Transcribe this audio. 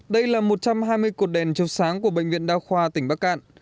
đây là một trăm hai mươi cột đèn chiếu sáng của bệnh viện đa khoa tỉnh bắc cạn